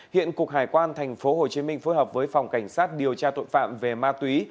hiện cục hải quan tp hcm phối hợp với phòng cảnh sát điều tra tội phạm về ma túy